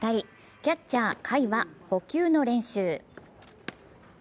キャッチャー・甲斐は捕球の練習。